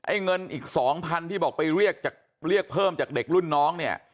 เงินอีก๒๐๐๐ที่บอกไปเรียกเพิ่มจากเด็กรุ่นน้องเนี่ย